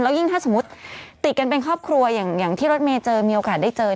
ยิ่งถ้าสมมุติติดกันเป็นครอบครัวอย่างที่รถเมย์เจอมีโอกาสได้เจอ